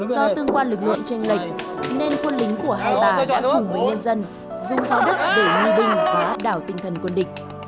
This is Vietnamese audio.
do tương quan lực lượng tranh lệch nên quân lính của hai bà đã cùng với nhân dân dung pháo đất để nghi binh và áp đảo tinh thần quân địch